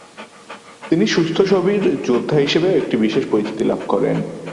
তিনি সুস্থ ছবির যোদ্ধা হিসেবেও একটি বিশেষ পরিচিতি লাভ করেন।